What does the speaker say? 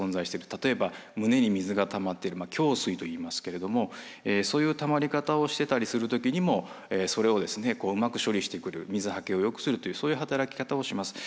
例えば胸に水がたまってる胸水といいますけれどもそういうたまり方をしてたりする時にもそれをうまく処理してくれる水はけをよくするというそういう働き方をします。